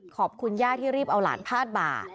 ขอบคุณย่าที่รีบเอาหลานพาดบ่า